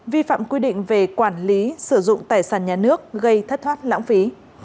vi phạm quy định về quản lý sử dụng tài sản nhà nước gây thất thoát lãng phí